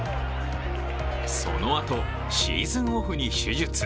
そのあとシーズンオフに手術。